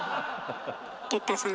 哲太さん